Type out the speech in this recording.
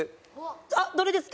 あっどれですか？